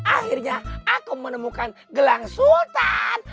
akhirnya aku menemukan gelang sultan